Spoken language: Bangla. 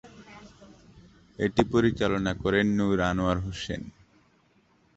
এটি পরিচালনা করেন নুর আনোয়ার হোসেন।